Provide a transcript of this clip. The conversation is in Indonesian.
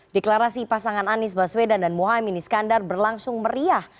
deklarasi pasangan anies baswedan dan muhaymin iskandar berlangsung meriah